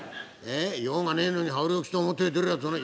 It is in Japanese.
「用がねえのに羽織を着て表へ出るやつはねえ。